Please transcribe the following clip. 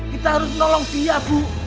kita harus nolong dia bu